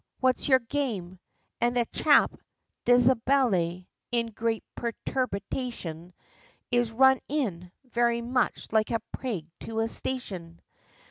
What's your game?' And a chap (déshabillé) in great perturbation Is 'run in,' very much like a prig to a station.